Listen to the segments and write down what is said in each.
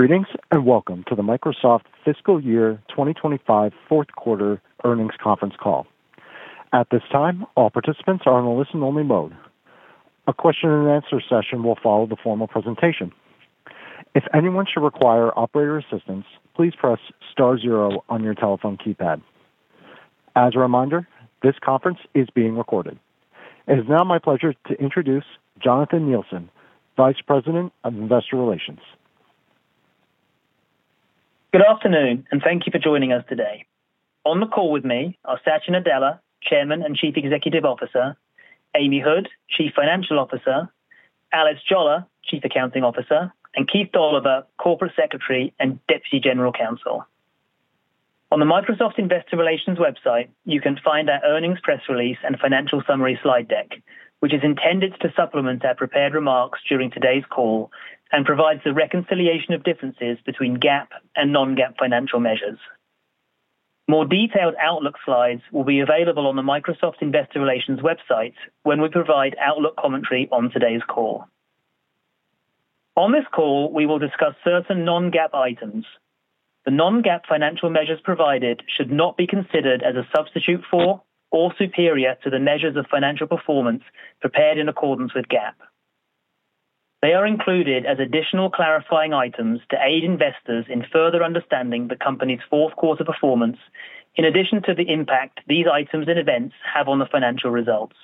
Greetings and welcome to the Microsoft Fiscal Year 2025 Fourth Quarter Earnings Conference Call. At this time, all participants are in a listen-only mode. A question-and-answer session will follow the formal presentation. If anyone should require operator assistance, please press star zero on your telephone keypad. As a reminder, this conference is being recorded. It is now my pleasure to introduce Jonathan Nielsen, Vice President of Investor Relations. Good afternoon, and thank you for joining us today. On the call with me are Satya Nadella, Chairman and Chief Executive Officer; Amy Hood, Chief Financial Officer; Alice Jolla, Chief Accounting Officer; and Keith Dolliver, Corporate Secretary and Deputy General Counsel. On the Microsoft Investor Relations website, you can find our earnings press release and financial summary slide deck, which is intended to supplement our prepared remarks during today's call and provides the reconciliation of differences between GAAP and non-GAAP financial measures. More detailed Outlook slides will be available on the Microsoft Investor Relations website when we provide Outlook commentary on today's call. On this call, we will discuss certain non-GAAP items. The non-GAAP financial measures provided should not be considered as a substitute for or superior to the measures of financial performance prepared in accordance with GAAP. They are included as additional clarifying items to aid investors in further understanding the company's fourth quarter performance, in addition to the impact these items and events have on the financial results.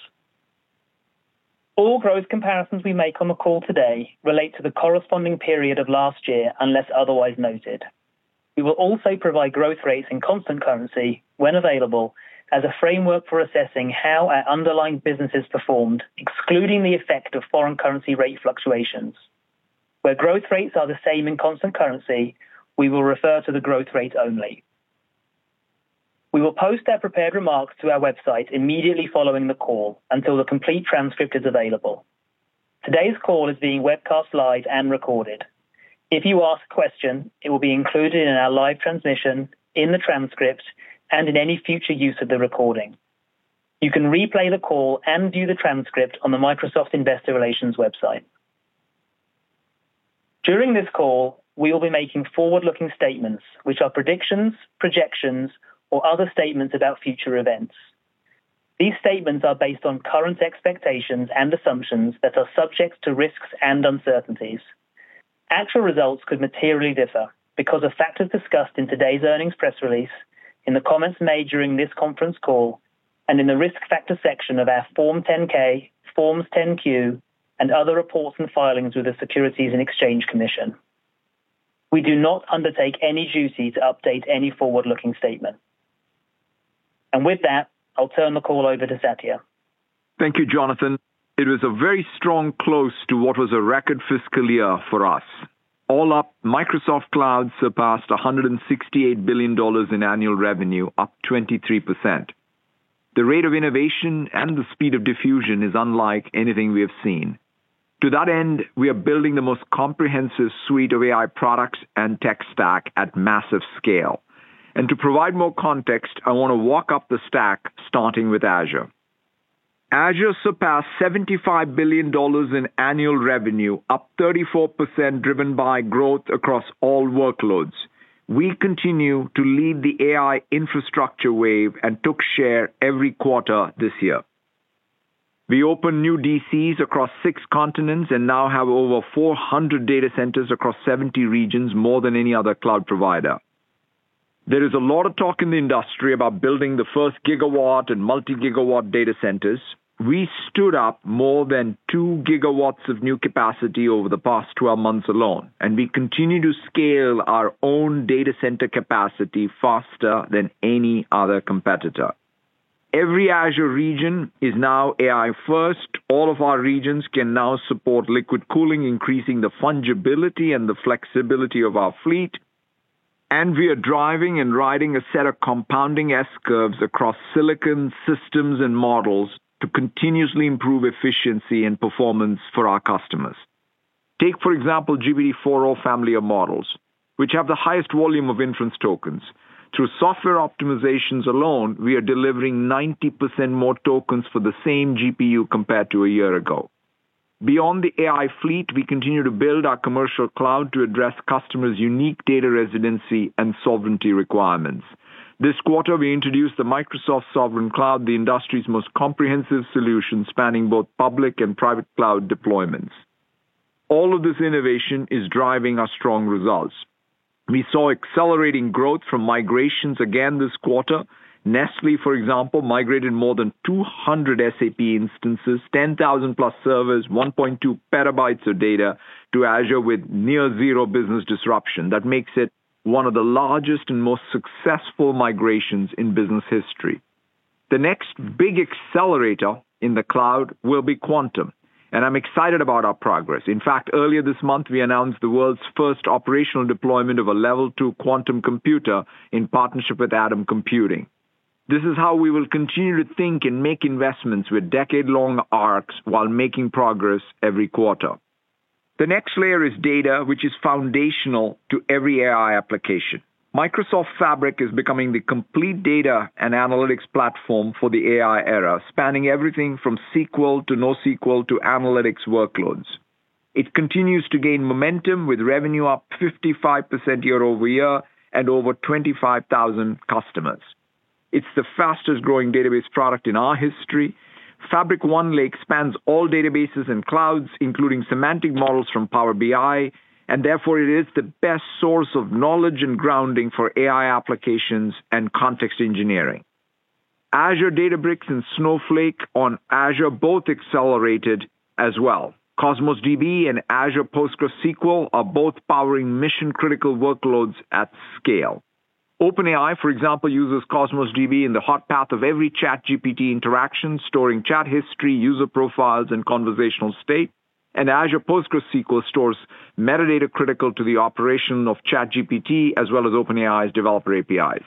All growth comparisons we make on the call today relate to the corresponding period of last year, unless otherwise noted. We will also provide growth rates in constant currency, when available, as a framework for assessing how our underlying business has performed, excluding the effect of foreign currency rate fluctuations. Where growth rates are the same in constant currency, we will refer to the growth rate only. We will post our prepared remarks to our website immediately following the call until the complete transcript is available. Today's call is being webcast live and recorded. If you ask a question, it will be included in our live transmission, in the transcript, and in any future use of the recording. You can replay the call and view the transcript on the Microsoft Investor Relations website. During this call, we will be making forward-looking statements, which are predictions, projections, or other statements about future events. These statements are based on current expectations and assumptions that are subject to risks and uncertainties. Actual results could materially differ because of factors discussed in today's earnings press release, in the comments made during this conference call, and in the risk factor section of our Form 10-K, Forms 10-Q, and other reports and filings with the Securities and Exchange Commission. We do not undertake any duty to update any forward-looking statement. With that, I'll turn the call over to Satya. Thank you, Jonathan. It was a very strong close to what was a record fiscal year for us. All up, Microsoft Cloud surpassed $168 billion in annual revenue, up 23%. The rate of innovation and the speed of diffusion is unlike anything we have seen. To that end, we are building the most comprehensive suite of AI products and tech stack at massive scale. To provide more context, I want to walk up the stack, starting with Azure. Azure surpassed $75 billion in annual revenue, up 34%, driven by growth across all workloads. We continue to lead the AI infrastructure wave and took share every quarter this year. We opened new data centers across six continents and now have over 400 data centers across 70 regions, more than any other cloud provider. There is a lot of talk in the industry about building the first gigawatt and multi-gigawatt data centers. We stood up more than 2 GW of new capacity over the past 12 months alone, and we continue to scale our own data center capacity faster than any other competitor. Every Azure region is now AI-first. All of our regions can now support liquid cooling, increasing the fungibility and the flexibility of our fleet. We are driving and riding a set of compounding s-curves across silicon systems and models to continuously improve efficiency and performance for our customers. Take, for example, the GPT-4o family of models, which have the highest volume of inference tokens. Through software optimizations alone, we are delivering 90% more tokens for the same GPU compared to a year ago. Beyond the AI fleet, we continue to build our commercial cloud to address customers' unique data residency and sovereignty requirements. This quarter, we introduced the Microsoft Sovereign Cloud, the industry's most comprehensive solution spanning both public and private cloud deployments. All of this innovation is driving our strong results. We saw accelerating growth from migrations again this quarter. Nestlé, for example, migrated more than 200 SAP instances, 10,000+ servers, 1.2 PB of data to Azure with near-zero business disruption. That makes it one of the largest and most successful migrations in business history. The next big accelerator in the cloud will be quantum, and I'm excited about our progress. In fact, earlier this month, we announced the world's first operational deployment of a level two quantum computer in partnership with Atom Computing. This is how we will continue to think and make investments with decade-long arcs while making progress every quarter. The next layer is data, which is foundational to every AI application. Microsoft Fabric is becoming the complete data and analytics platform for the AI era, spanning everything from SQL to NoSQL to analytics workloads. It continues to gain momentum with revenue up 55% year-over-year and over 25,000 customers. It's the fastest-growing database product in our history. Fabric OneLake spans all databases and clouds, including semantic models from Power BI, and therefore it is the best source of knowledge and grounding for AI applications and context engineering. Azure Databricks and Snowflake on Azure both accelerated as well. Cosmos DB and Azure PostgreSQL are both powering mission-critical workloads at scale. OpenAI, for example, uses Cosmos DB in the hot path of every ChatGPT interaction, storing chat history, user profiles, and conversational state. Azure PostgreSQL stores metadata critical to the operation of ChatGPT as well as OpenAI's developer APIs.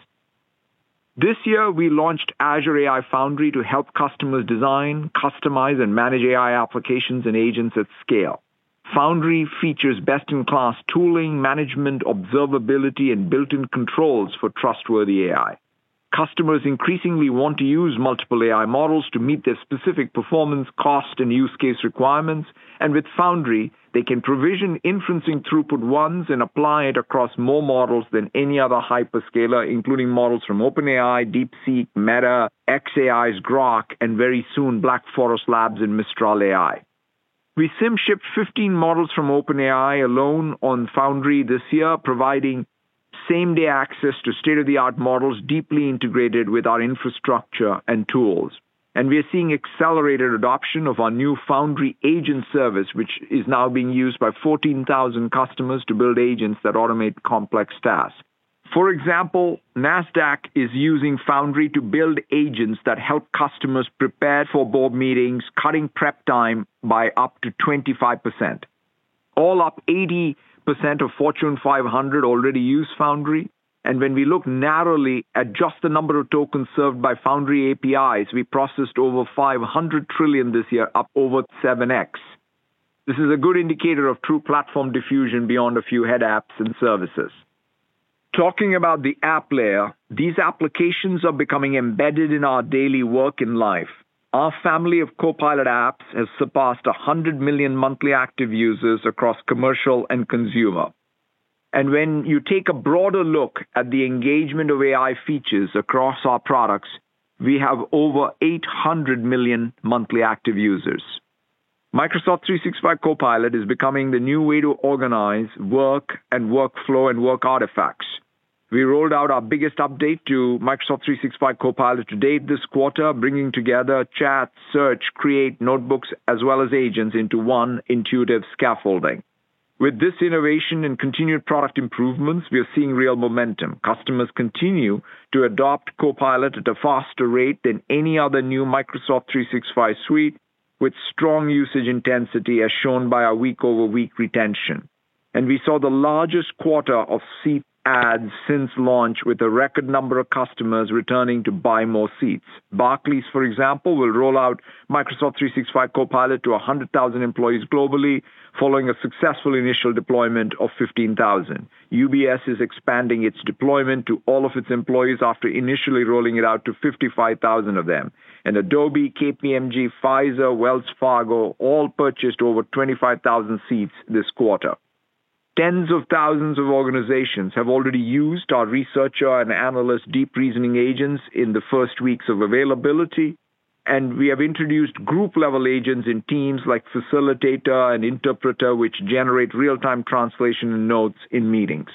This year, we launched Azure AI Foundry to help customers design, customize, and manage AI applications and agents at scale. Foundry features best-in-class tooling, management, observability, and built-in controls for trustworthy AI. Customers increasingly want to use multiple AI models to meet their specific performance, cost, and use case requirements. With Foundry, they can provision inferencing throughput once and apply it across more models than any other hyperscaler, including models from OpenAI, DeepSeek, Meta, xAI's Grok, and very soon, Black Forest Labs and Mistral AI. We sim-shipped 15 models from OpenAI alone on Foundry this year, providing same-day access to state-of-the-art models deeply integrated with our infrastructure and tools. We are seeing accelerated adoption of our new Foundry Agent Service, which is now being used by 14,000 customers to build agents that automate complex tasks. For example, Nasdaq is using Foundry to build agents that help customers prepare for board meetings, cutting prep time by up to 25%. All up, 80% of Fortune 500 already use Foundry. When we look narrowly at just the number of tokens served by Foundry APIs, we processed over 500 trillion this year, up over 7x. This is a good indicator of true platform diffusion beyond a few head apps and services. Talking about the app layer, these applications are becoming embedded in our daily work and life. Our family of Copilot apps has surpassed 100 million monthly active users across commercial and consumer. When you take a broader look at the engagement of AI features across our products, we have over 800 million monthly active users. Microsoft 365 Copilot is becoming the new way to organize work and workflow and work artifacts. We rolled out our biggest update to Microsoft 365 Copilot to date this quarter, bringing together chat, search, create, notebooks, as well as agents into one intuitive scaffolding. With this innovation and continued product improvements, we are seeing real momentum. Customers continue to adopt Copilot at a faster rate than any other new Microsoft 365 suite, with strong usage intensity as shown by our week-over-week retention. We saw the largest quarter of seat adds since launch, with a record number of customers returning to buy more seats. Barclays, for example, will roll out Microsoft 365 Copilot to 100,000 employees globally, following a successful initial deployment of 15,000. UBS is expanding its deployment to all of its employees after initially rolling it out to 55,000 of them. Adobe, KPMG, Pfizer, Wells Fargo all purchased over 25,000 seats this quarter. Tens of thousands of organizations have already used our researcher and analyst deep reasoning agents in the first weeks of availability. We have introduced group-level agents in Teams like Facilitator and Interpreter, which generate real-time translation and notes in meetings.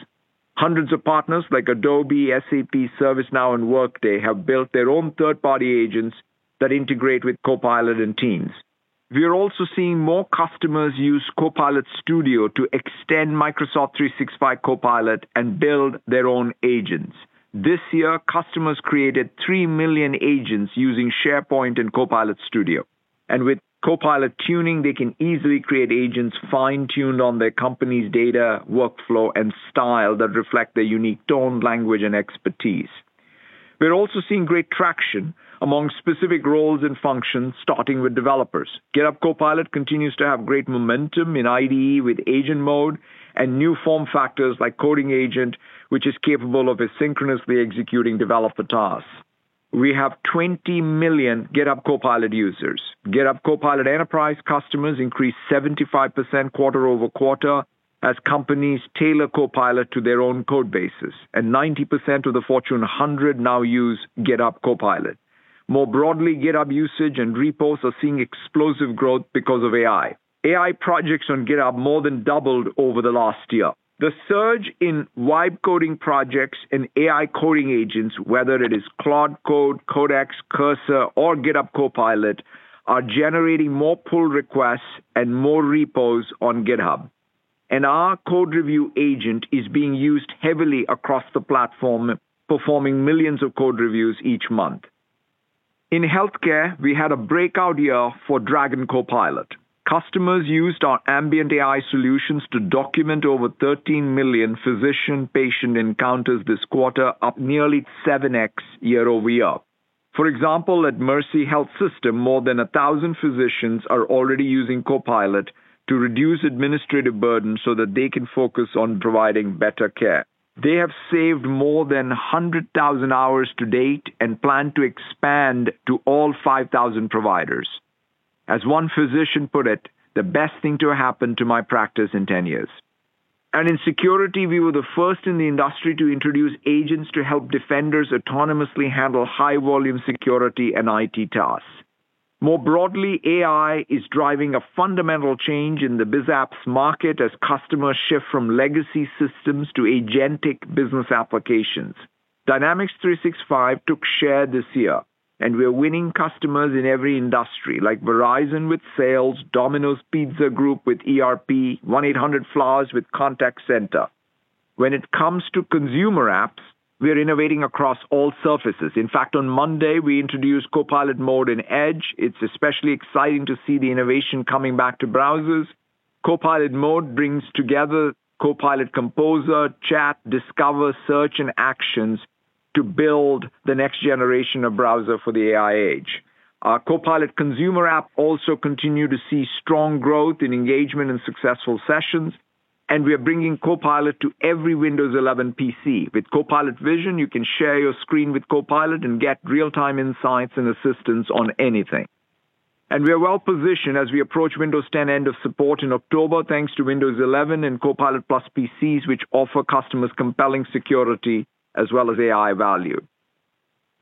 Hundreds of partners like Adobe, SAP, ServiceNow, and Workday have built their own third-party agents that integrate with Copilot and Teams. We are also seeing more customers use Copilot Studio to extend Microsoft 365 Copilot and build their own agents. This year, customers created 3 million agents using SharePoint and Copilot Studio. With Copilot tuning, they can easily create agents fine-tuned on their company's data, workflow, and style that reflect their unique tone, language, and expertise. We're also seeing great traction among specific roles and functions, starting with developers. GitHub Copilot continues to have great momentum in IDE with agent mode and new form factors like coding agent, which is capable of asynchronously executing developer tasks. We have 20 million GitHub Copilot users. GitHub Copilot Enterprise customers increased 75% quarter-over-quarter as companies tailor Copilot to their own code bases, and 90% of the Fortune 100 now use GitHub Copilot. More broadly, GitHub usage and repos are seeing explosive growth because of AI. AI projects on GitHub more than doubled over the last year. The surge in web coding projects and AI coding agents, whether it is Claude Code, Codex, Cursor, or GitHub Copilot, are generating more pull requests and more repos on GitHub. Our code review agent is being used heavily across the platform, performing millions of code reviews each month. In healthcare, we had a breakout year for Dragon Copilot. Customers used our ambient AI solutions to document over 13 million physician-patient encounters this quarter, up nearly 7x year-over-year. For example, at Mercyhealth system, more than 1,000 physicians are already using Copilot to reduce administrative burden so that they can focus on providing better care. They have saved more than 100,000 hours to date and plan to expand to all 5,000 providers. As one physician put it, "The best thing to happen to my practice in 10 years." In security, we were the first in the industry to introduce agents to help defenders autonomously handle high-volume security and IT tasks. More broadly, AI is driving a fundamental change in the biz apps market as customers shift from legacy systems to agentic business applications. Dynamics 365 took share this year, and we are winning customers in every industry, like Verizon with sales, Domino's Pizza Group with ERP, 1-800-Flowers with contact center. When it comes to consumer apps, we are innovating across all surfaces. In fact, on Monday, we introduced Copilot Mode in Edge. It's especially exciting to see the innovation coming back to browsers. Copilot Mode brings together Copilot composer, chat, discover, search, and actions to build the next generation of browser for the AI age. Our Copilot consumer app also continues to see strong growth in engagement and successful sessions. We are bringing Copilot to every Windows 11 PC. With Copilot Vision, you can share your screen with Copilot and get real-time insights and assistance on anything. We are well positioned as we approach Windows 10 end of support in October, thanks to Windows 11 and Copilot+ PCs, which offer customers compelling security as well as AI value.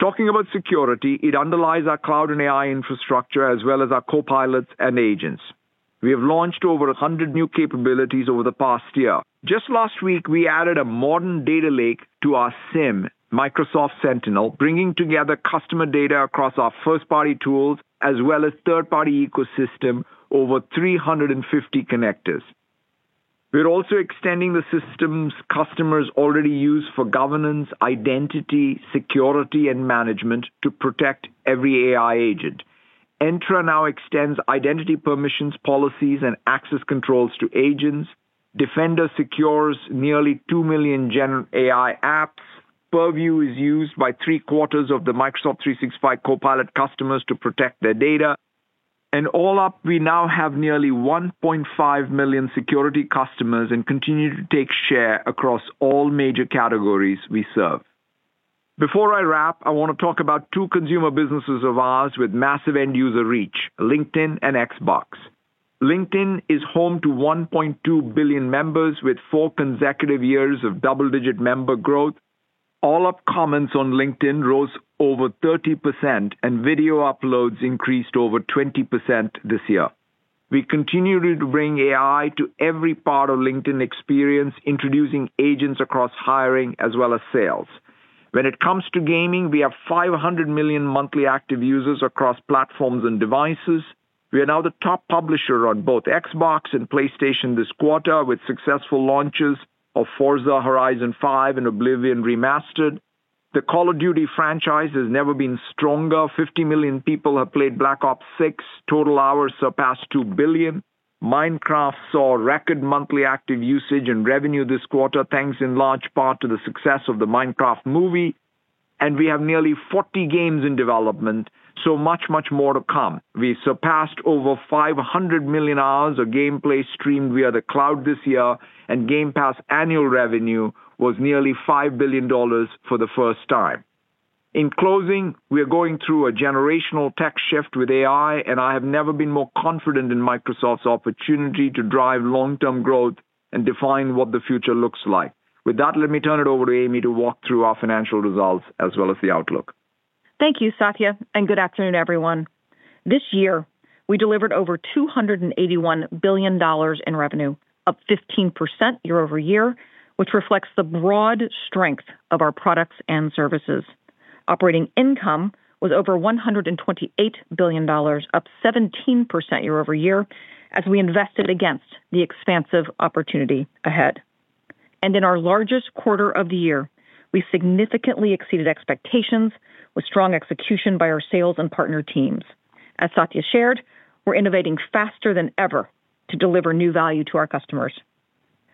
Talking about security, it underlies our cloud and AI infrastructure as well as our Copilots and agents. We have launched over 100 new capabilities over the past year. Just last week, we added a modern data lake to our SIEM, Microsoft Sentinel, bringing together customer data across our first-party tools as well as third-party ecosystem over 350 connectors. We are also extending the systems customers already use for governance, identity, security, and management to protect every AI agent. Entra now extends identity permissions, policies, and access controls to agents. Defender secures nearly 2 million GenAI apps. Purview is used by 3/4 of the Microsoft 365 Copilot customers to protect their data. All up, we now have nearly 1.5 million security customers and continue to take share across all major categories we serve. Before I wrap, I want to talk about two consumer businesses of ours with massive end-user reach, LinkedIn and Xbox. LinkedIn is home to 1.2 billion members with four consecutive years of double-digit member growth. All up, comments on LinkedIn rose over 30%, and video uploads increased over 20% this year. We continue to bring AI to every part of the LinkedIn experience, introducing agents across hiring as well as sales. When it comes to gaming, we have 500 million monthly active users across platforms and devices. We are now the top publisher on both Xbox and PlayStation this quarter, with successful launches of Forza Horizon 5 and Oblivion Remastered. The Call of Duty franchise has never been stronger. 50 million people have played Black Ops 6. Total hours surpassed 2 billion. Minecraft saw record monthly active usage and revenue this quarter, thanks in large part to the success of the Minecraft movie. We have nearly 40 games in development, so much, much more to come. We surpassed over 500 million hours of gameplay streamed via the cloud this year, and Game Pass annual revenue was nearly $5 billion for the first time. In closing, we are going through a generational tech shift with AI, and I have never been more confident in Microsoft's opportunity to drive long-term growth and define what the future looks like. With that, let me turn it over to Amy to walk through our financial results as well as the outlook. Thank you, Satya, and good afternoon, everyone. This year, we delivered over $281 billion in revenue, up 15% year-over-year, which reflects the broad strength of our products and services. Operating income was over $128 billion, up 17% year-over-year, as we invested against the expansive opportunity ahead. In our largest quarter of the year, we significantly exceeded expectations with strong execution by our sales and partner teams. As Satya shared, we're innovating faster than ever to deliver new value to our customers.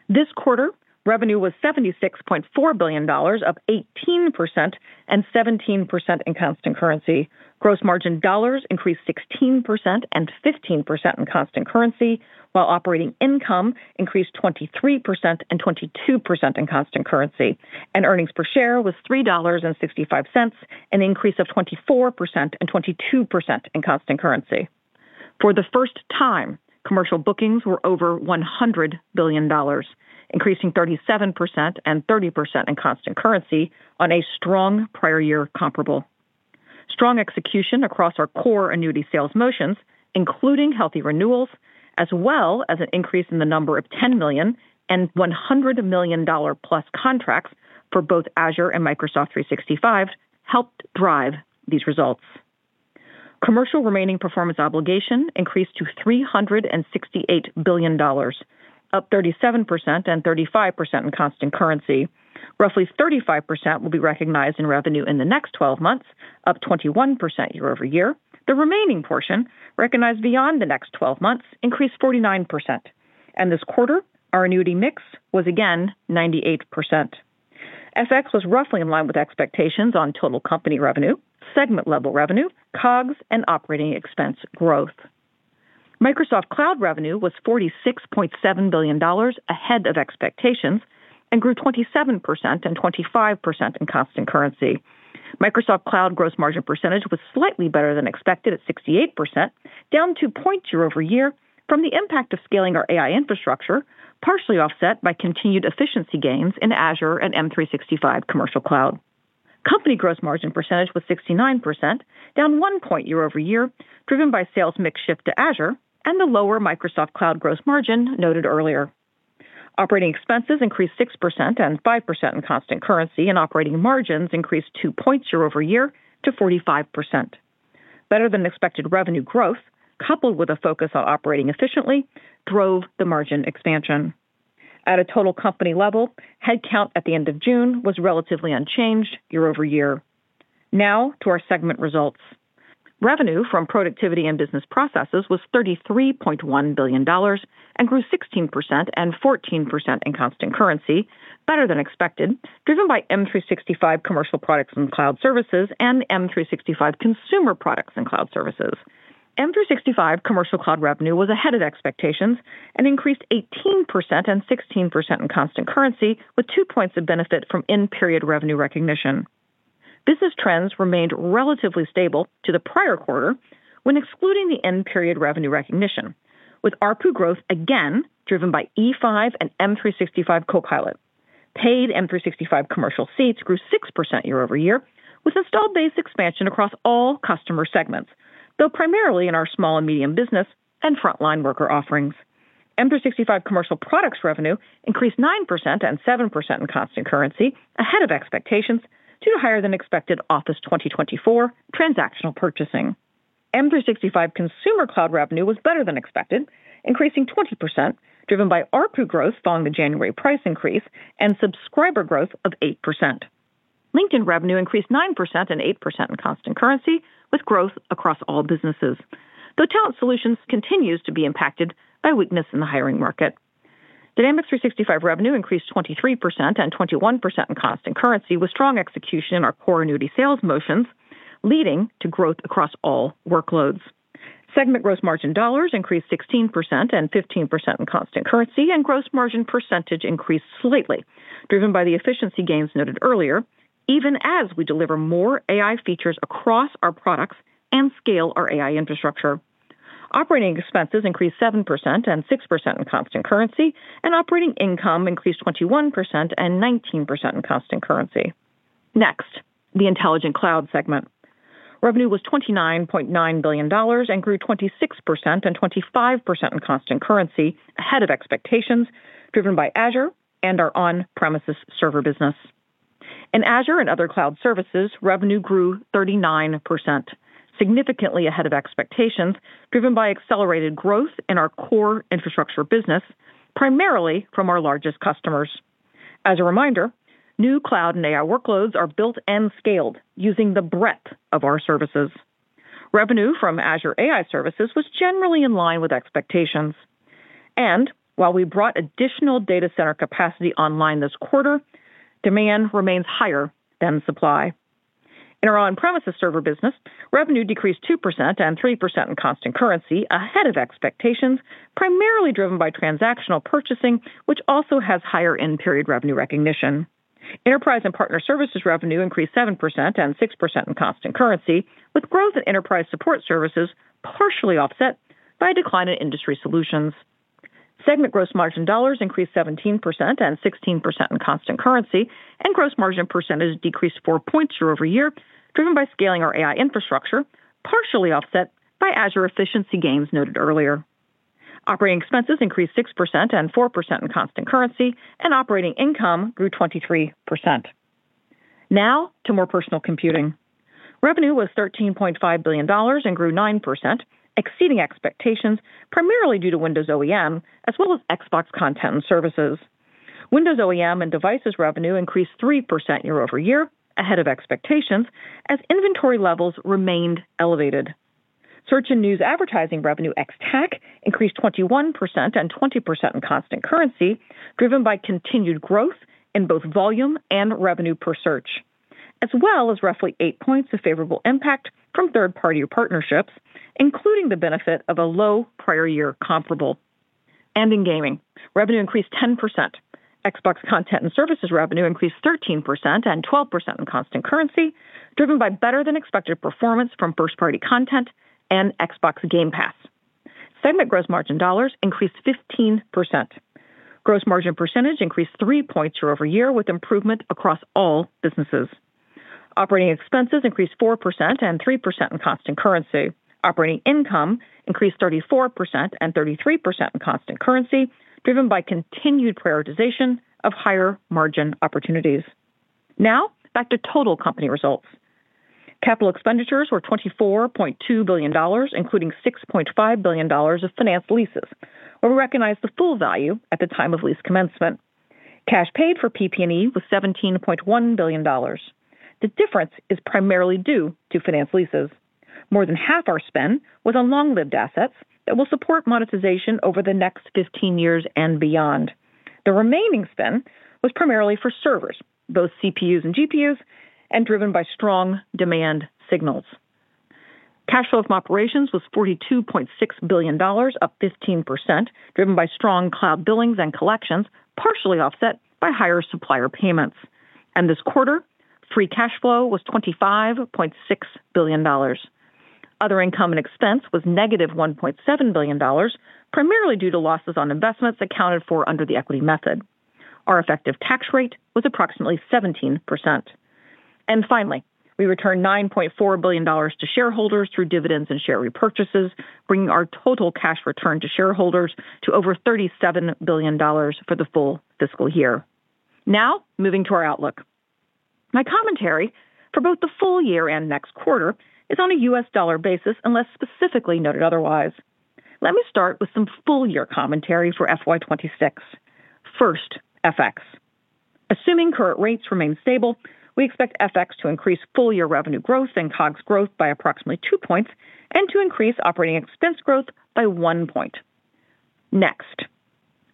This quarter, revenue was $76.4 billion, up 18% and 17% in constant currency. Gross margin dollars increased 16% and 15% in constant currency, while operating income increased 23% and 22% in constant currency. Earnings per share was $3.65, an increase of 24% and 22% in constant currency. For the first time, commercial bookings were over $100 billion, increasing 37% and 30% in constant currency on a strong prior-year comparable. Strong execution across our core annuity sales motions, including healthy renewals, as well as an increase in the number of $10 million and $100+ million contracts for both Azure and Microsoft 365, helped drive these results. Commercial remaining performance obligation increased to $368 billion, up 37% and 35% in constant currency. Roughly 35% will be recognized in revenue in the next 12 months, up 21% year-over-year. The remaining portion recognized beyond the next 12 months increased 49%. This quarter, our annuity mix was again 98%. FX was roughly in line with expectations on total company revenue, segment-level revenue, COGS, and operating expense growth. Microsoft Cloud revenue was $46.7 billion ahead of expectations and grew 27% and 25% in constant currency. Microsoft Cloud gross margin percentage was slightly better than expected at 68%, down 2.0 over year from the impact of scaling our AI infrastructure, partially offset by continued efficiency gains in Azure and M365 commercial cloud. Company gross margin percentage was 69%, down 1.0 over year, driven by sales mix shift to Azure and the lower Microsoft Cloud gross margin noted earlier. Operating expenses increased 6% and 5% in constant currency, and operating margins increased 2.0 over year to 45%. Better than expected revenue growth, coupled with a focus on operating efficiently, drove the margin expansion. At a total company level, headcount at the end of June was relatively unchanged year-over-year. Now to our segment results. Revenue from productivity and business processes was $33.1 billion and grew 16% and 14% in constant currency, better than expected, driven by M365 commercial products and cloud services and M365 consumer products and cloud services. M365 commercial cloud revenue was ahead of expectations and increased 18% and 16% in constant currency, with two points of benefit from end-period revenue recognition. Business trends remained relatively stable to the prior quarter when excluding the end-period revenue recognition, with ARPU growth again driven by E5 and M365 Copilot. Paid M365 commercial seats grew 6% year-over-year, with a stall-based expansion across all customer segments, though primarily in our small and medium business and frontline worker offerings. M365 commercial products revenue increased 9% and 7% in constant currency ahead of expectations due to higher-than-expected Office 2024 transactional purchasing. M365 consumer cloud revenue was better than expected, increasing 20%, driven by ARPU growth following the January price increase and subscriber growth of 8%. LinkedIn revenue increased 9% and 8% in constant currency, with growth across all businesses, though Talent Solutions continues to be impacted by weakness in the hiring market. Dynamics 365 revenue increased 23% and 21% in constant currency with strong execution in our core annuity sales motions, leading to growth across all workloads. Segment gross margin dollars increased 16% and 15% in constant currency, and gross margin percentage increased slightly, driven by the efficiency gains noted earlier, even as we deliver more AI features across our products and scale our AI infrastructure. Operating expenses increased 7% and 6% in constant currency, and operating income increased 21% and 19% in constant currency. Next, the Intelligent Cloud segment. Revenue was $29.9 billion and grew 26% and 25% in constant currency ahead of expectations, driven by Azure and our on-premises server business. In Azure and other cloud services, revenue grew 39%, significantly ahead of expectations, driven by accelerated growth in our core infrastructure business, primarily from our largest customers. As a reminder, new cloud and AI workloads are built and scaled using the breadth of our services. Revenue from Azure AI services was generally in line with expectations. While we brought additional data center capacity online this quarter, demand remains higher than supply. In our on-premises server business, revenue decreased 2% and 3% in constant currency ahead of expectations, primarily driven by transactional purchasing, which also has higher end-period revenue recognition. Enterprise and partner services revenue increased 7% and 6% in constant currency, with growth in enterprise support services partially offset by a decline in industry solutions. Segment gross margin dollars increased 17% and 16% in constant currency, and gross margin percentage decreased 4.0 percentage points over year, driven by scaling our AI infrastructure, partially offset by Azure efficiency gains noted earlier. Operating expenses increased 6% and 4% in constant currency, and operating income grew 23%. Now to more personal computing. Revenue was $13.5 billion and grew 9%, exceeding expectations, primarily due to Windows OEM as well as Xbox content and services. Windows OEM and devices revenue increased 3% year-over-year ahead of expectations as inventory levels remained elevated. Search and news advertising revenue ex tech increased 21% and 20% in constant currency, driven by continued growth in both volume and revenue per search, as well as roughly 8 points of favorable impact from third-party partnerships, including the benefit of a low prior-year comparable. In gaming, revenue increased 10%. Xbox content and services revenue increased 13% and 12% in constant currency, driven by better-than-expected performance from first-party content and Xbox Game Pass. Segment gross margin dollars increased 15%. Gross margin percentage increased 3.0 points over year with improvement across all businesses. Operating expenses increased 4% and 3% in constant currency. Operating income increased 34% and 33% in constant currency, driven by continued prioritization of higher margin opportunities. Now back to total company results. Capital expenditures were $24.2 billion, including $6.5 billion of financed leases, where we recognized the full value at the time of lease commencement. Cash paid for PP&E was $17.1 billion. The difference is primarily due to financed leases. More than half our spend was on long-lived assets that will support monetization over the next 15 years and beyond. The remaining spend was primarily for servers, both CPUs and GPUs, and driven by strong demand signals. Cash flow from operations was $42.6 billion, up 15%, driven by strong cloud billings and collections, partially offset by higher supplier payments. This quarter, free cash flow was $25.6 billion. Other income and expense was -$1.7 billion, primarily due to losses on investments accounted for under the equity method. Our effective tax rate was approximately 17%. Finally, we returned $9.4 billion to shareholders through dividends and share repurchases, bringing our total cash return to shareholders to over $37 billion for the full fiscal year. Now moving to our outlook. My commentary for both the full year and next quarter is on a US dollar basis unless specifically noted otherwise. Let me start with some full-year commentary for FY 2026. First, FX. Assuming current rates remain stable, we expect FX to increase full-year revenue growth and COGS growth by approximately 2 points and to increase operating expense growth by 1 point. Next,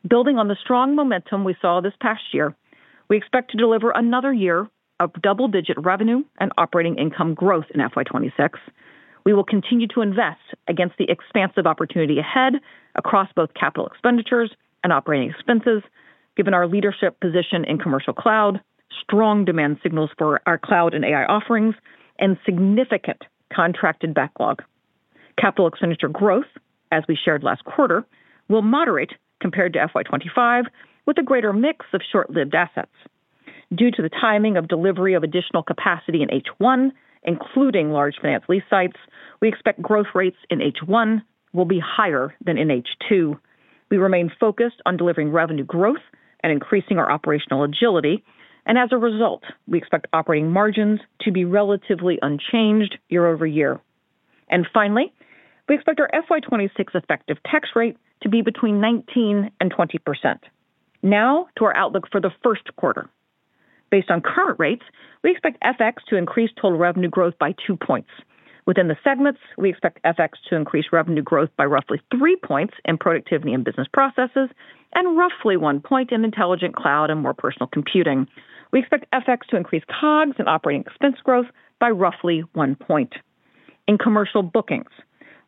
building on the strong momentum we saw this past year, we expect to deliver another year of double-digit revenue and operating income growth in FY 2026. We will continue to invest against the expansive opportunity ahead across both capital expenditures and operating expenses, given our leadership position in commercial cloud, strong demand signals for our cloud and AI offerings, and significant contracted backlog. Capital expenditure growth, as we shared last quarter, will moderate compared to FY 2025 with a greater mix of short-lived assets. Due to the timing of delivery of additional capacity in H1, including large finance lease sites, we expect growth rates in H1 will be higher than in H2. We remain focused on delivering revenue growth and increasing our operational agility, and as a result, we expect operating margins to be relatively unchanged year-over-year. Finally, we expect our FY 2026 effective tax rate to be between 19% and 20%. Now to our outlook for the first quarter. Based on current rates, we expect FX to increase total revenue growth by 2 points. Within the segments, we expect FX to increase revenue growth by roughly 3 points in Productivity and Business Processes and roughly 1 point in Intelligent Cloud and More Personal Computing. We expect FX to increase COGS and operating expense growth by roughly 1 point. In commercial bookings,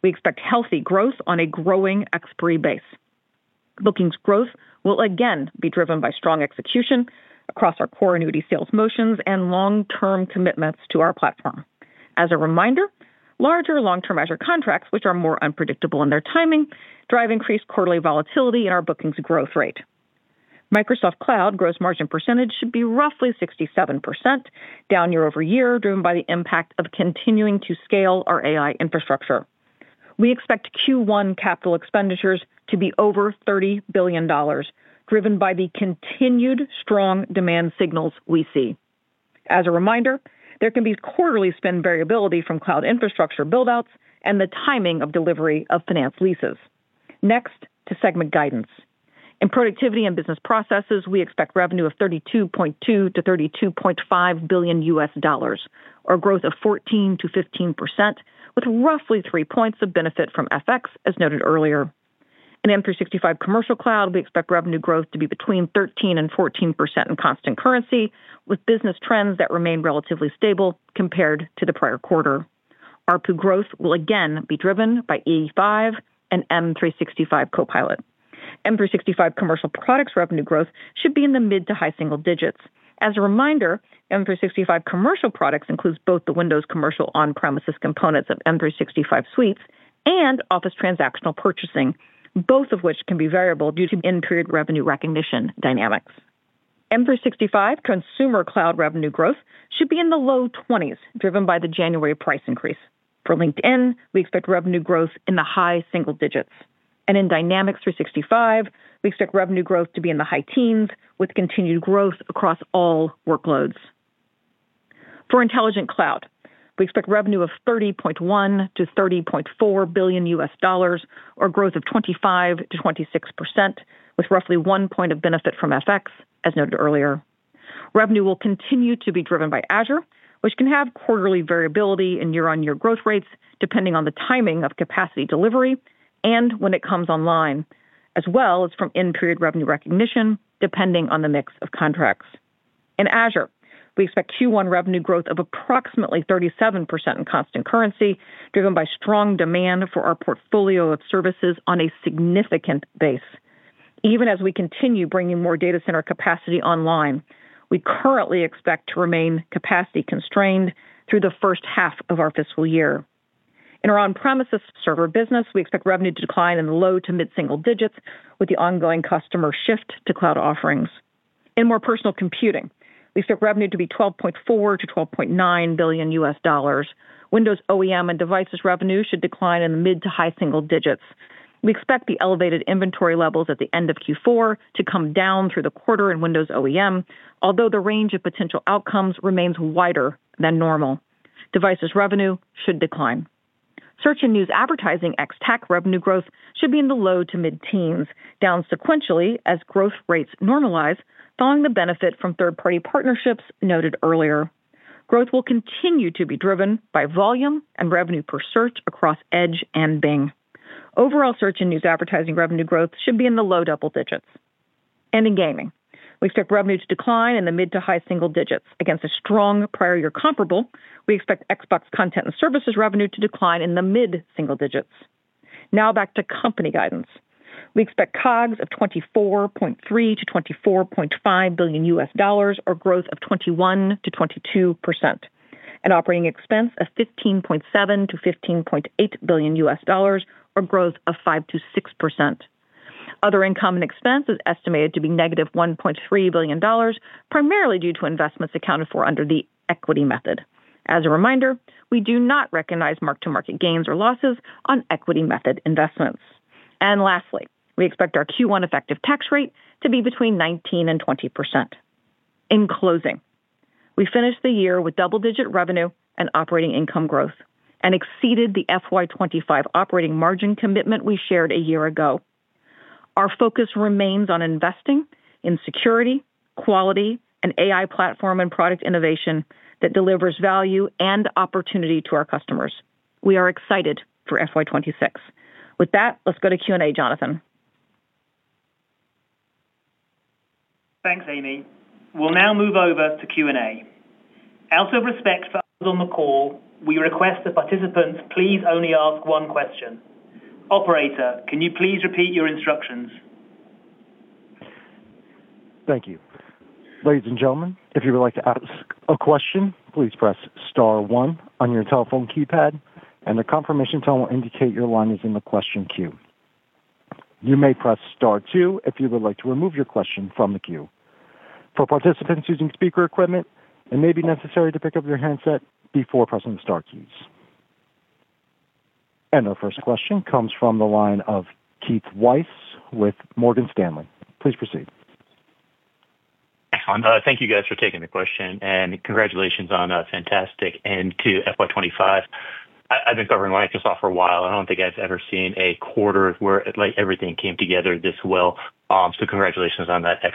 we expect healthy growth on a growing expiry base. Bookings growth will again be driven by strong execution across our core annuity sales motions and long-term commitments to our platform. As a reminder, larger long-term Azure contracts, which are more unpredictable in their timing, drive increased quarterly volatility in our bookings growth rate. Microsoft Cloud gross margin percentage should be roughly 67% down year-over-year, driven by the impact of continuing to scale our AI infrastructure. We expect Q1 capital expenditures to be over $30 billion, driven by the continued strong demand signals we see. As a reminder, there can be quarterly spend variability from cloud infrastructure buildouts and the timing of delivery of finance leases. Next to segment guidance. In Productivity and Business Processes, we expect revenue of $32.2 billion-$32.5 billion US dollars, or a growth of 14%-15%, with roughly 3 points of benefit from FX, as noted earlier. In M365 commercial cloud, we expect revenue growth to be between 13% and 14% in constant currency, with business trends that remain relatively stable compared to the prior quarter. ARPU growth will again be driven by E5 and M365 Copilot. M365 commercial products revenue growth should be in the mid to high single digits. As a reminder, M365 commercial products includes both the Windows commercial on-premises components of M365 suites and Office transactional purchasing, both of which can be variable due to end-period revenue recognition dynamics. M365 consumer cloud revenue growth should be in the low 20s, driven by the January price increase. For LinkedIn, we expect revenue growth in the high single digits. In Dynamics 365, we expect revenue growth to be in the high teens with continued growth across all workloads. For Intelligent Cloud, we expect revenue of $30.1 billion-$30.4 billion US dollars, or a growth of 25%-26%, with roughly 1 point of benefit from FX, as noted earlier. Revenue will continue to be driven by Azure, which can have quarterly variability in year-on-year growth rates, depending on the timing of capacity delivery and when it comes online, as well as from end-period revenue recognition, depending on the mix of contracts. In Azure, we expect Q1 revenue growth of approximately 37% in constant currency, driven by strong demand for our portfolio of services on a significant base. Even as we continue bringing more data center capacity online, we currently expect to remain capacity constrained through the first half of our fiscal year. In our on-premises server business, we expect revenue to decline in the low to mid single digits with the ongoing customer shift to cloud offerings. In more personal computing, we expect revenue to be $12.4 billion-$12.9 billion. Windows OEM and devices revenue should decline in the mid to high single digits. We expect the elevated inventory levels at the end of Q4 to come down through the quarter in Windows OEM, although the range of potential outcomes remains wider than normal. Devices revenue should decline. Search and news advertising ex-TAC revenue growth should be in the low to mid teens, down sequentially as growth rates normalize, following the benefit from third-party partnerships noted earlier. Growth will continue to be driven by volume and revenue per search across Edge and Bing. Overall, search and news advertising revenue growth should be in the low double digits. In gaming, we expect revenue to decline in the mid to high single digits against a strong prior-year comparable. We expect Xbox content and services revenue to decline in the mid single digits. Now back to company guidance. We expect COGS of $24.3 billion-$24.5 billion, or growth of 21%-22%, and operating expense of $15.7 billion-$15.8 billion, or growth of 5%-6%. Other income and expense is estimated to be -$1.3 billion, primarily due to investments accounted for under the equity method. As a reminder, we do not recognize mark-to-market gains or losses on equity method investments. Lastly, we expect our Q1 effective tax rate to be between 19% and 20%. In closing, we finished the year with double-digit revenue and operating income growth and exceeded the FY 25 operating margin commitment we shared a year ago. Our focus remains on investing in security, quality, and AI platform and product innovation that delivers value and opportunity to our customers. We are excited for FY 26. With that, let's go to Q&A, Jonathan. Thanks, Amy. We'll now move over to Q&A. Out of respect for us on the call, we request the participants please only ask one question. Operator, can you please repeat your instructions? Thank you. Ladies and gentlemen, if you would like to ask a question, please press star one on your telephone keypad, and the confirmation tone will indicate your line is in the question queue. You may press star two if you would like to remove your question from the queue. For participants using speaker equipment, it may be necessary to pick up your handset before pressing the star keys. Our first question comes from the line of Keith Weiss with Morgan Stanley. Please proceed. Thank you, guys, for taking the question, and congratulations on fantastic and to FY 25. I've been covering Microsoft for a while. I don't think I've ever seen a quarter where everything came together this well. Congratulations on that.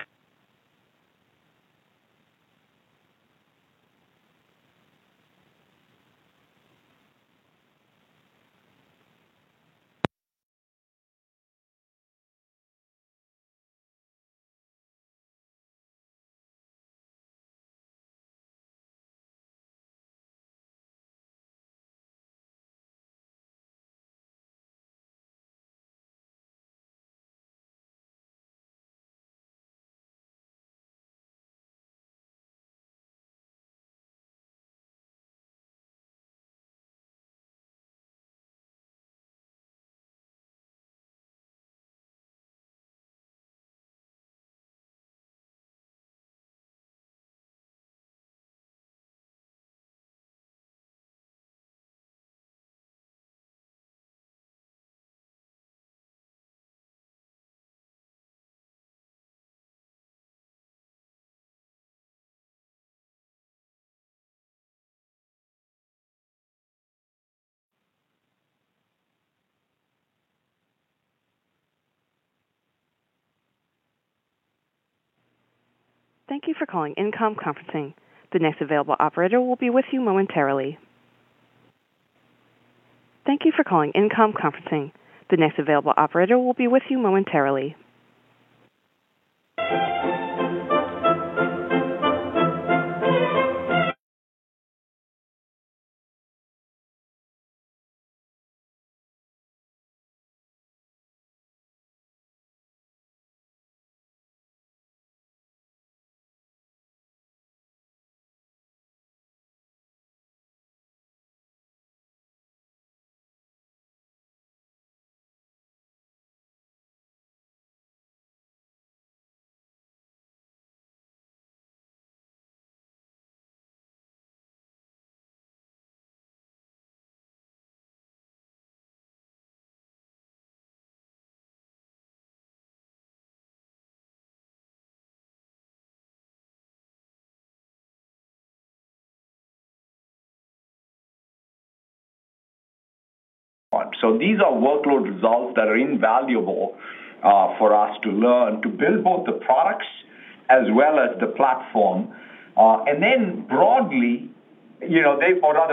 Thank you for calling InComm Conferencing. The next available operator will be with you momentarily. Thank you for calling InComm Conferencing. The next available operator will be with you momentarily. These are workload results that are invaluable for us to learn to build both the products as well as the platform.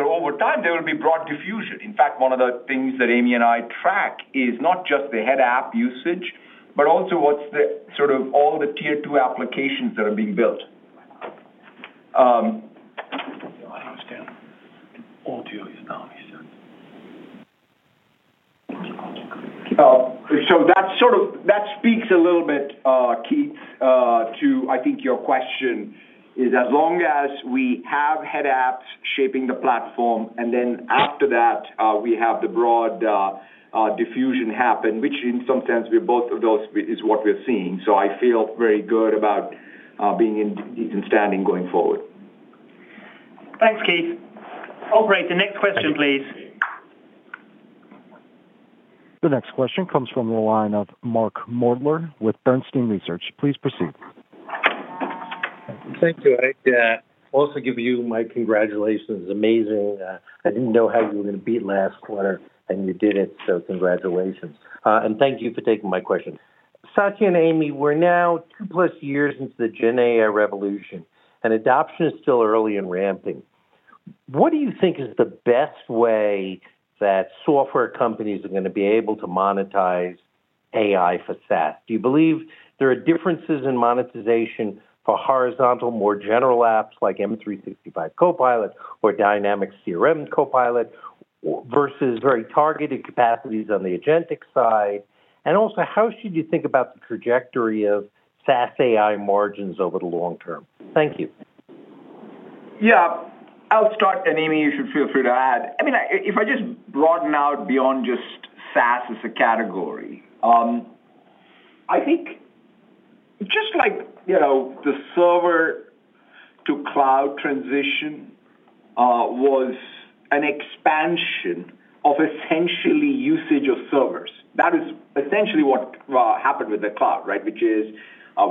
Over time, there will be broad diffusion. In fact, one of the things that Amy and I track is not just the head app usage, but also what's the sort of all the tier two applications that are being built. That speaks a little bit, Keith, to, I think, your question is, as long as we have head apps shaping the platform, and then after that, we have the broad diffusion happen, which in some sense we're both of those is what we're seeing. I feel very good about being in standing going forward. Thanks, Keith. All right. The next question, please. The next question comes from the line of Mark Moerdler with Bernstein Research. Please proceed. Thank you. Also give you my congratulations. Amazing. I didn't know how you were going to beat last quarter, and you did it. Congratulations. Thank you for taking my question. Satya and Amy, we're now 2+ years into the GenAI revolution, and adoption is still early and ramping. What do you think is the best way that software companies are going to be able to monetize AI for SaaS? Do you believe there are differences in monetization for horizontal, more general apps like M365 Copilot or Dynamics CRM Copilot versus very targeted capacities on the agentic side? Also, how should you think about the trajectory of SaaS AI margins over the long term? Thank you. Yeah. I'll start, and Amy, you should feel free to add. I mean, if I just broaden out beyond just SaaS as a category, I think just like the server to cloud transition was an expansion of essentially usage of servers. That is essentially what happened with the cloud, right? Which is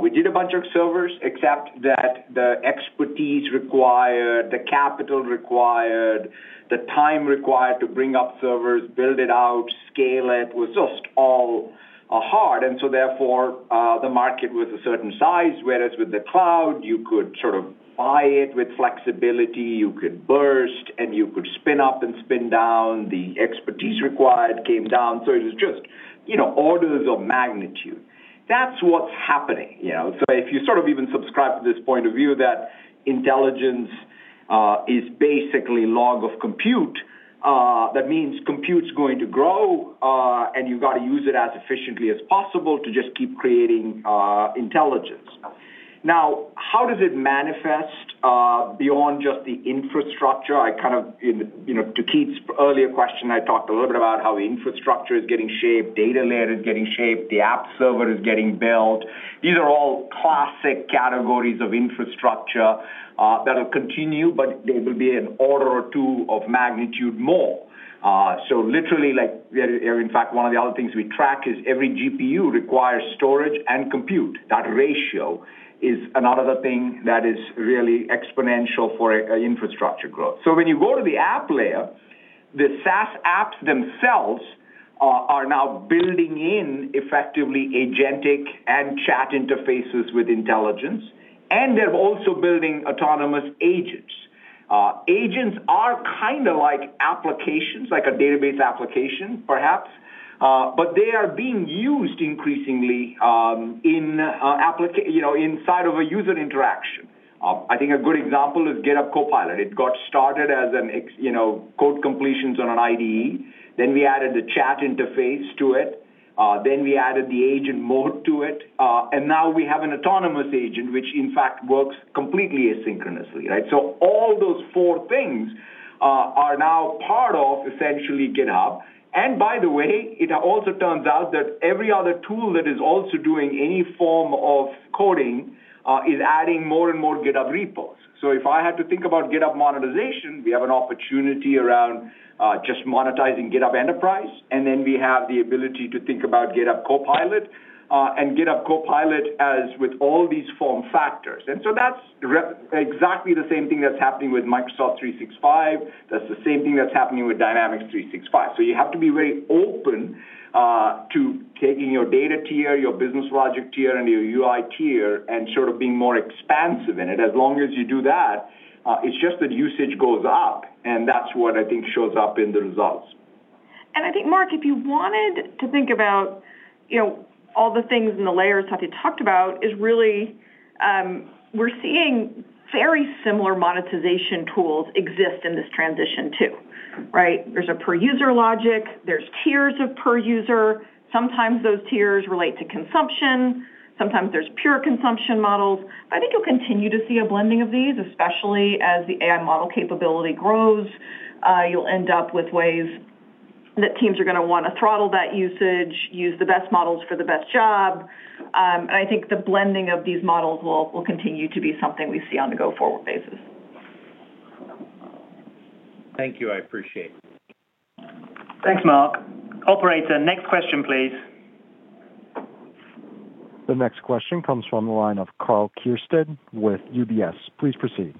we did a bunch of servers, except that the expertise required, the capital required, the time required to bring up servers, build it out, scale it was just all hard. Therefore, the market was a certain size, whereas with the cloud, you could sort of buy it with flexibility, you could burst, and you could spin up and spin down. The expertise required came down. It was just orders of magnitude. That is what is happening. If you sort of even subscribe to this point of view that intelligence is basically log of compute, that means compute is going to grow, and you have to use it as efficiently as possible to just keep creating intelligence. Now, how does it manifest beyond just the infrastructure? I kind of, to Keith's earlier question, talked a little bit about how infrastructure is getting shaped, data layer is getting shaped, the app server is getting built. These are all classic categories of infrastructure that will continue, but there will be an order or two of magnitude more. Literally, in fact, one of the other things we track is every GPU requires storage and compute. That ratio is another thing that is really exponential for infrastructure growth. When you go to the app layer, the SaaS apps themselves are now building in effectively agentic and chat interfaces with intelligence, and they're also building autonomous agents. Agents are kind of like applications, like a database application, perhaps, but they are being used increasingly inside of a user interaction. I think a good example is GitHub Copilot. It got started as code completions on an IDE. Then we added the chat interface to it. Then we added the agent mode to it. Now we have an autonomous agent, which in fact works completely asynchronously, right? All those four things are now part of essentially GitHub. By the way, it also turns out that every other tool that is also doing any form of coding is adding more and more GitHub repos. If I had to think about GitHub monetization, we have an opportunity around just monetizing GitHub Enterprise, and then we have the ability to think about GitHub Copilot and GitHub Copilot as with all these form factors. That is exactly the same thing that is happening with Microsoft 365. That is the same thing that is happening with Dynamics 365. You have to be very open to taking your data tier, your business logic tier, and your UI tier and sort of being more expansive in it. As long as you do that, it is just that usage goes up, and that is what I think shows up in the results. I think, Mark, if you wanted to think about all the things in the layers Satya talked about, it is really we're seeing very similar monetization tools exist in this transition too, right? There is a per-user logic. There are tiers of per-user. Sometimes those tiers relate to consumption. Sometimes there are pure consumption models. I think you'll continue to see a blending of these, especially as the AI model capability grows. You'll end up with ways that teams are going to want to throttle that usage, use the best models for the best job. I think the blending of these models will continue to be something we see on a go-forward basis. Thank you. I appreciate it. Thanks, Mark. Corporate, next question, please. The next question comes from the line of Karl Keirstead with UBS. Please proceed.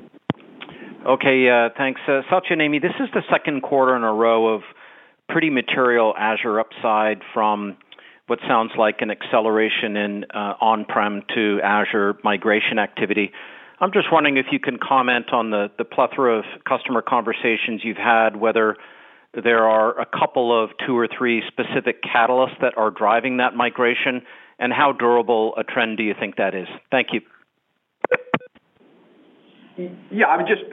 Okay. Thanks. Satya and Amy, this is the second quarter in a row of pretty material Azure upside from what sounds like an acceleration in on-prem to Azure migration activity. I'm just wondering if you can comment on the plethora of customer conversations you've had, whether there are a couple of two or three specific catalysts that are driving that migration, and how durable a trend do you think that is? Thank you. Yeah. I mean, just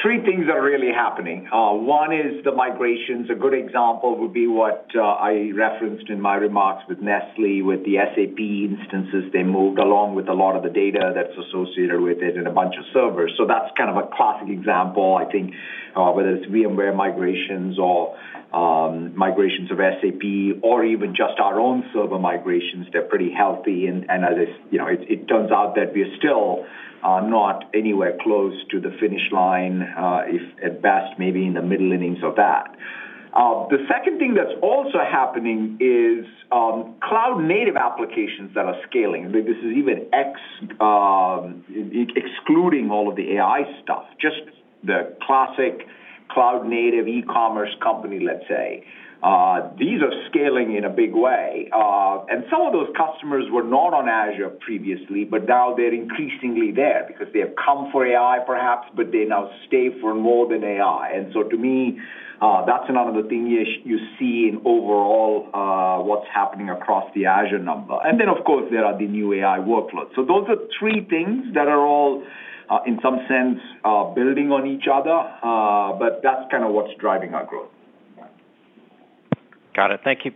three things that are really happening. One is the migrations. A good example would be what I referenced in my remarks with Nestlé with the SAP instances. They moved along with a lot of the data that's associated with it and a bunch of servers. That's kind of a classic example, I think, whether it's VMware migrations or migrations of SAP, or even just our own server migrations. They're pretty healthy. As it turns out, we're still not anywhere close to the finish line, if at best, maybe in the middle innings of that. The second thing that's also happening is cloud-native applications that are scaling. This is even excluding all of the AI stuff. Just the classic cloud-native e-commerce company, let's say. These are scaling in a big way. Some of those customers were not on Azure previously, but now they're increasingly there because they have come for AI, perhaps, but they now stay for more than AI. To me, that's another thing you see in overall what's happening across the Azure number. Of course, there are the new AI workloads. Those are three things that are all, in some sense, building on each other, but that's kind of what's driving our growth. Got it. Thank you.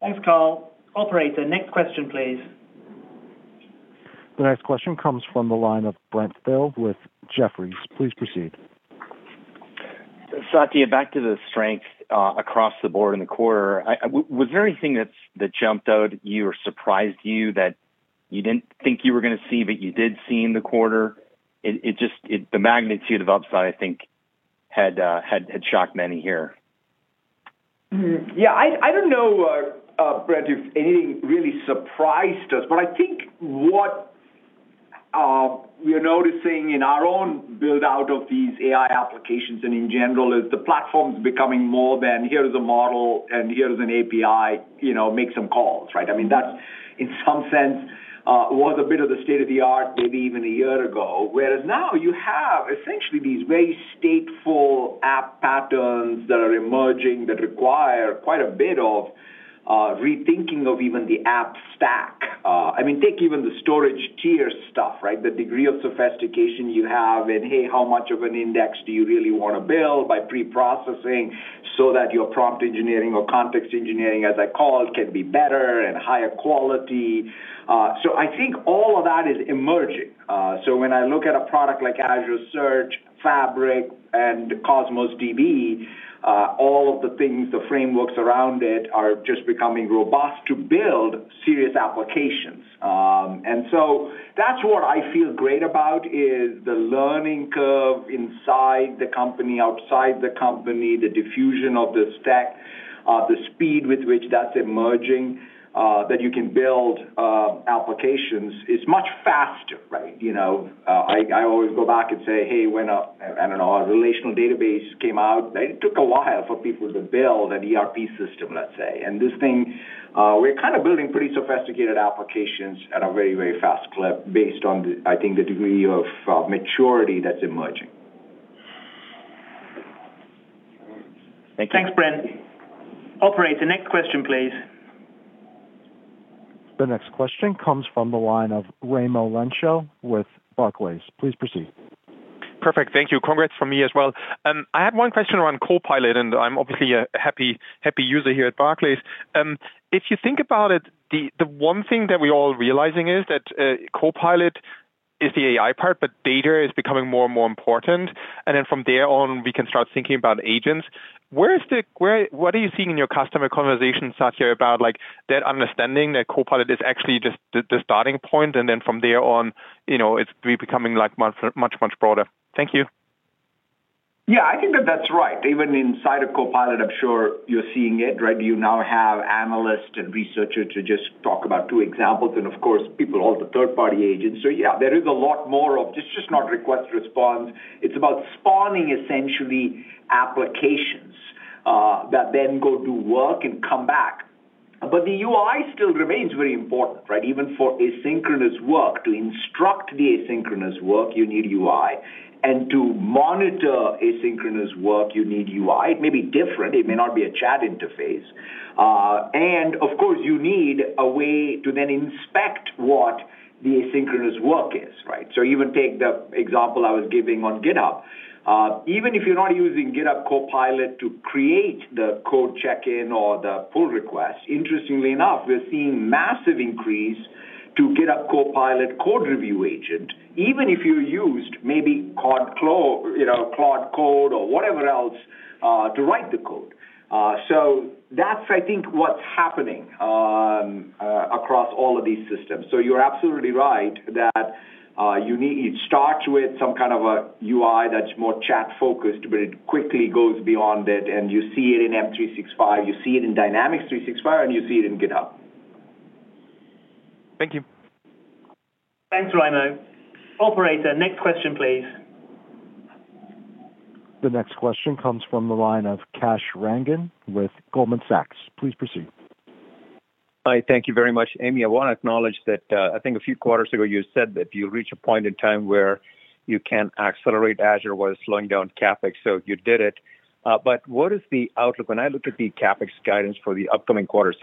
Thanks, Karl. Operator, next question, please. The next question comes from the line of Brent Thill with Jefferies. Please proceed. Satya, back to the strength across the board in the quarter. Was there anything that jumped out, you were surprised, you that you did not think you were going to see, but you did see in the quarter? The magnitude of upside, I think, had shocked many here. Yeah. I do not know, Brent, if anything really surprised us, but I think what we are noticing in our own build-out of these AI applications and in general is the platforms becoming more than, "Here is a model, and here is an API. Make some calls," right? I mean, that's in some sense was a bit of the state of the art, maybe even a year ago, whereas now you have essentially these very stateful app patterns that are emerging that require quite a bit of rethinking of even the app stack. I mean, take even the storage tier stuff, right? The degree of sophistication you have in, "Hey, how much of an index do you really want to build by pre-processing so that your prompt engineering or context engineering, as I call it, can be better and higher quality?" I think all of that is emerging. When I look at a product like Azure Search, Fabric, and Cosmos DB, all of the things, the frameworks around it are just becoming robust to build serious applications. That's what I feel great about, is the learning curve inside the company, outside the company, the diffusion of the stack, the speed with which that's emerging, that you can build applications is much faster, right? I always go back and say, "Hey, when a, I don't know, a relational database came out, it took a while for people to build an ERP system, let's say." This thing, we're kind of building pretty sophisticated applications at a very, very fast clip based on, I think, the degree of maturity that's emerging. Thanks, Brent. Operator, next question, please. The next question comes from the line of Raimo Lenschow with Barclays. Please proceed. Perfect. Thank you. Congrats from me as well. I had one question around Copilot, and I'm obviously a happy user here at Barclays. If you think about it, the one thing that we're all realizing is that Copilot is the AI part, but data is becoming more and more important. From there on, we can start thinking about agents. What are you seeing in your customer conversations, Satya, about that understanding that Copilot is actually just the starting point, and from there on, it's becoming much, much broader? Thank you. Yeah. I think that that's right. Even inside of Copilot, I'm sure you're seeing it, right? You now have analysts and researchers to just talk about two examples, and of course, people, all the third-party agents. Yeah, there is a lot more of just not request-response. It's about spawning, essentially, applications that then go do work and come back. The UI still remains very important, right? Even for asynchronous work, to instruct the asynchronous work, you need UI. To monitor asynchronous work, you need UI. It may be different. It may not be a chat interface. Of course, you need a way to then inspect what the asynchronous work is, right? Even take the example I was giving on GitHub. Even if you're not using GitHub Copilot to create the code check-in or the pull request, interestingly enough, we're seeing massive increase to GitHub Copilot code review agent, even if you used maybe Claude Code or whatever else to write the code. That's, I think, what's happening across all of these systems. You're absolutely right that it starts with some kind of a UI that's more chat-focused, but it quickly goes beyond it, and you see it in M365. You see it in Dynamics 365, and you see it in GitHub. Thank you. Thanks, Raimo. Operator, next question, please. The next question comes from the line of Kash Rangan with Goldman Sachs. Please proceed. Hi. Thank you very much. Amy, I want to acknowledge that I think a few quarters ago, you said that you'll reach a point in time where you can accelerate Azure while slowing down CapEx. You did it. What is the outlook? When I look at the CapEx guidance for the upcoming quarter,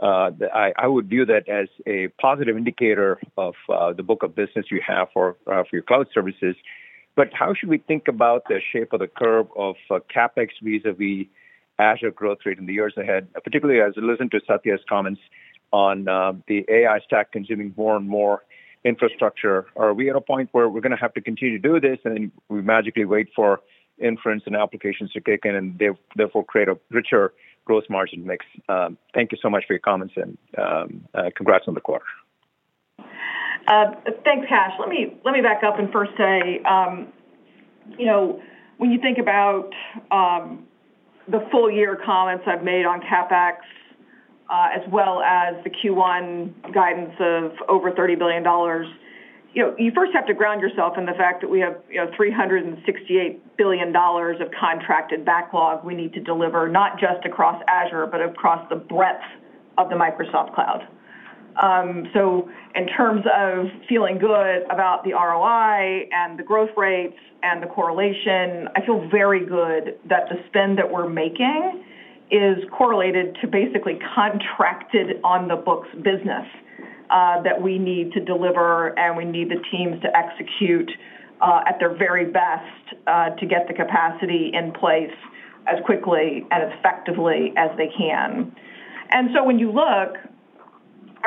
certainly, I would view that as a positive indicator of the book of business you have for your cloud services. How should we think about the shape of the curve of CapEx vis-à-vis Azure growth rate in the years ahead, particularly as I listen to Satya's comments on the AI stack consuming more and more infrastructure? Are we at a point where we're going to have to continue to do this, and then we magically wait for inference and applications to kick in and therefore create a richer gross margin mix? Thank you so much for your comments, and congrats on the quarter. Thanks, Kash. Let me back up and first say, when you think about the full-year comments I've made on CapEx, as well as the Q1 guidance of over $30 billion, you first have to ground yourself in the fact that we have $368 billion of contracted backlog we need to deliver, not just across Azure, but across the breadth of the Microsoft Cloud. In terms of feeling good about the ROI and the growth rates and the correlation, I feel very good that the spend that we're making is correlated to basically contracted on-the-books business that we need to deliver, and we need the teams to execute at their very best to get the capacity in place as quickly and effectively as they can. When you look,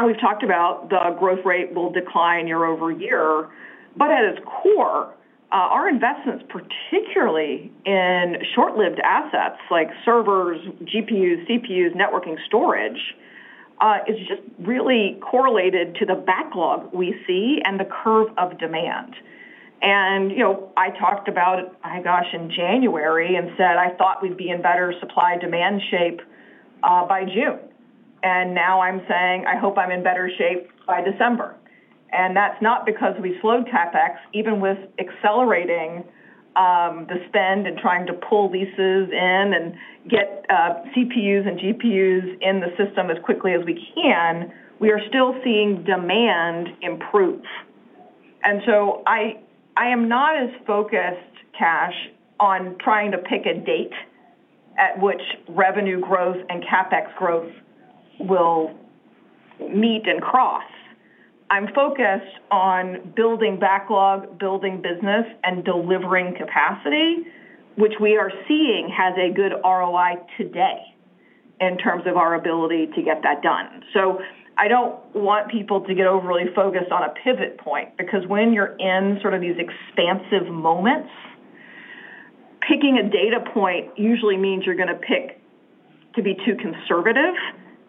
we've talked about the growth rate will decline year-over-year, but at its core, our investments, particularly in short-lived assets like servers, GPUs, CPUs, networking, storage, is just really correlated to the backlog we see and the curve of demand. I talked about it, my gosh, in January and said, "I thought we'd be in better supply-demand shape by June." Now I'm saying, "I hope I'm in better shape by December." That's not because we slowed CapEx. Even with accelerating the spend and trying to pull leases in and get CPUs and GPUs in the system as quickly as we can, we are still seeing demand improve. I am not as focused, Kash, on trying to pick a date at which revenue growth and CapEx growth will meet and cross. I'm focused on building backlog, building business, and delivering capacity, which we are seeing has a good ROI today in terms of our ability to get that done. I do not want people to get overly focused on a pivot point because when you're in sort of these expansive moments, picking a data point usually means you're going to pick to be too conservative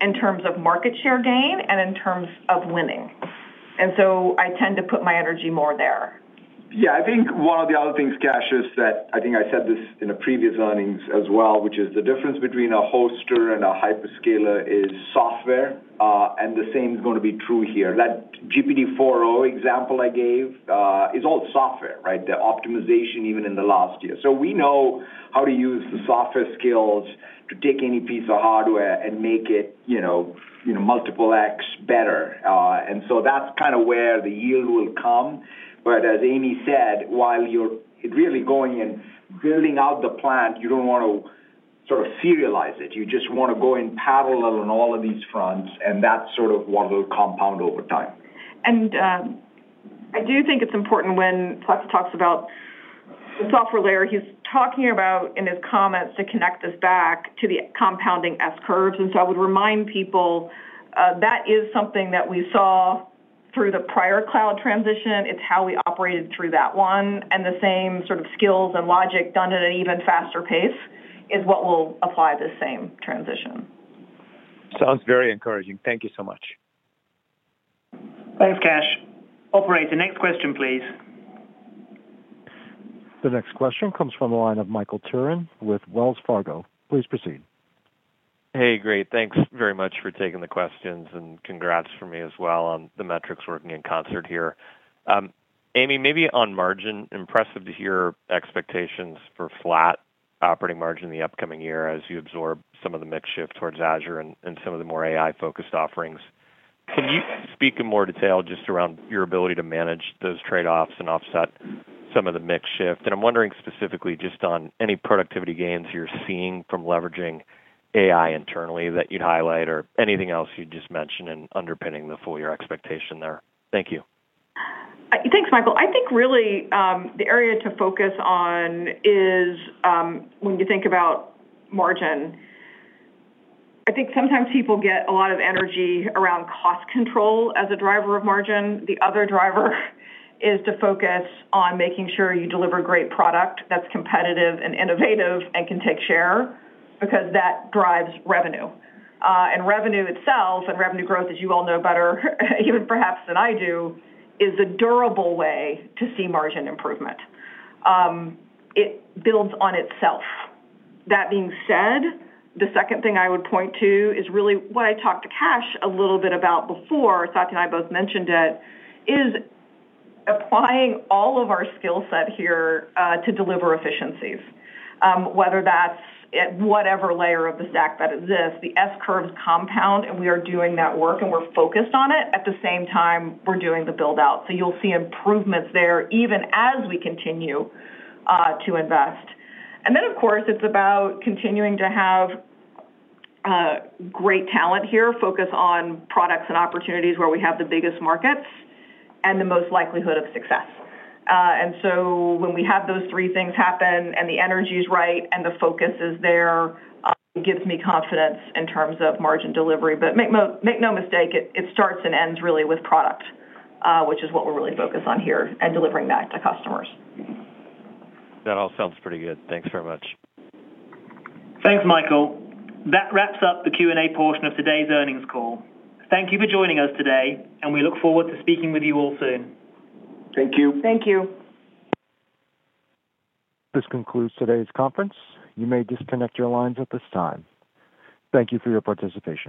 in terms of market share gain and in terms of winning. I tend to put my energy more there. Yeah. I think one of the other things, Kash, is that I think I said this in a previous earnings as well, which is the difference between a hoster and a hyperscaler is software, and the same is going to be true here. That GPT-4o example I gave is all software, right? The optimization, even in the last year. We know how to use the software skills to take any piece of hardware and make it multiple x better. That is kind of where the yield will come. As Amy said, while you are really going and building out the plant, you do not want to sort of serialize it. You just want to go in parallel on all of these fronts, and that is sort of what will compound over time. I do think it's important when Satya talks about the software layer, he's talking about in his comments to connect this back to the compounding s-curves. I would remind people that is something that we saw through the prior cloud transition. It's how we operated through that one. The same sort of skills and logic done at an even faster pace is what will apply the same transition. Sounds very encouraging. Thank you so much. Thanks, Kash. Operator, next question, please. The next question comes from the line of Michael Turrin with Wells Fargo. Please proceed. Hey, great. Thanks very much for taking the questions and congrats from me as well on the metrics working in concert here. Amy, maybe on margin, impressive to hear expectations for flat operating margin in the upcoming year as you absorb some of the mixed shift towards Azure and some of the more AI-focused offerings. Can you speak in more detail just around your ability to manage those trade-offs and offset some of the mixed shift? I'm wondering specifically just on any productivity gains you're seeing from leveraging AI internally that you'd highlight or anything else you'd just mention in underpinning the full-year expectation there. Thank you. Thanks, Michael. I think really the area to focus on is when you think about margin. I think sometimes people get a lot of energy around cost control as a driver of margin. The other driver is to focus on making sure you deliver great product that's competitive and innovative and can take share because that drives revenue. Revenue itself and revenue growth, as you all know better, even perhaps than I do, is a durable way to see margin improvement. It builds on itself. That being said, the second thing I would point to is really what I talked to Kash a little bit about before. Satya and I both mentioned it, is applying all of our skill set here to deliver efficiencies, whether that's at whatever layer of the stack that exists. The s-curves compound, and we are doing that work, and we're focused on it. At the same time, we're doing the build-out. You will see improvements there even as we continue to invest. Of course, it's about continuing to have great talent here, focus on products and opportunities where we have the biggest markets and the most likelihood of success. When we have those three things happen and the energy is right and the focus is there, it gives me confidence in terms of margin delivery. Make no mistake, it starts and ends really with product, which is what we're really focused on here and delivering that to customers. That all sounds pretty good. Thanks very much. Thanks, Michael. That wraps up the Q&A portion of today's earnings call. Thank you for joining us today, and we look forward to speaking with you all soon. Thank you. Thank you. This concludes today's conference. You may disconnect your lines at this time. Thank you for your participation.